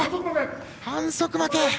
反則負け。